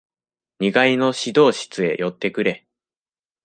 二階の指導室へ寄ってくれ。